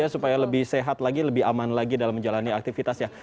supaya lebih sehat lagi lebih aman lagi dalam menjalani aktivitasnya